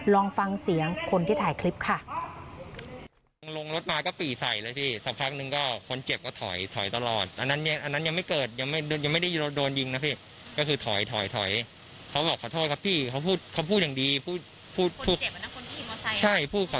ลองฟังเสียงคนที่ถ่ายคลิปค่ะ